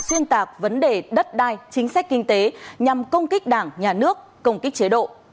xuyên tạc vấn đề đất đai chính sách kinh tế nhằm công kích đảng nhà nước công kích chế độ